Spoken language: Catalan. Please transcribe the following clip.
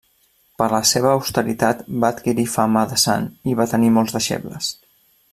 Per la seva austeritat va adquirir fama de sant i va tenir molts deixebles.